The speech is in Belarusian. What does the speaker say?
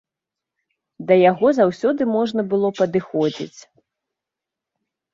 Да яго заўсёды можна было падыходзіць.